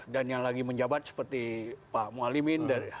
dan yang lagi menjabat seperti pak mualimin